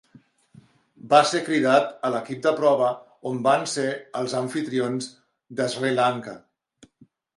Va ser cridat a l'equip de prova on van ser els amfitrions de Sri Lanka.